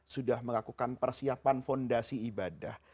sudah melakukan persiapan fondasi ibadah